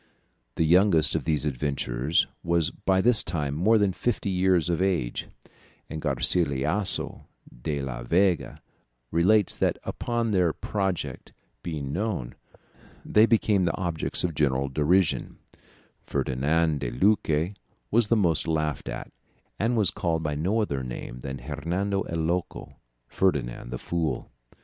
The youngest of these adventurers was by this time more than fifty years of age, and Garcilasso de la Vega relates that upon their project being known, they became the objects of general derision; Ferdinand de Luque was the most laughed at, and was called by no other name than Hernando el Loco, Ferdinand the Fool.